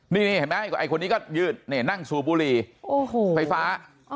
นี่เห็นมั้ยไอ้คนนี้ก็ยืดนั่งสูบบุรีไฟฟ้า